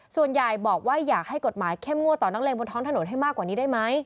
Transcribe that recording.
ส่วนใหญ่บอกว่าอยากให้กฎหมายเข้มงวดต่อนักเลงบนท้องถนนให้มากกว่านี้ได้ไหม